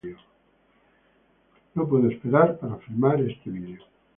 No puedo esperar para filmar este video!